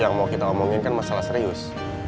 yang mau kita omongin kan masalah serius